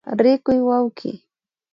Rikuy wawki